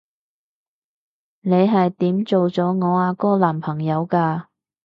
你係點做咗我阿哥男朋友㗎？